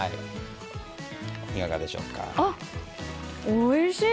おいしい！